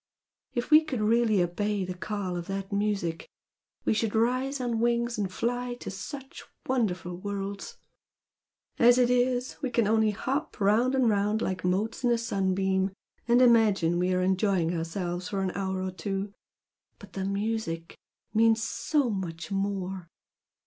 If we could really obey the call of that music we should rise on wings and fly to such wonderful worlds! as it is, we can only hop round and round like motes in a sunbeam and imagine we are enjoying ourselves for an hour or two! But the music means so much more!"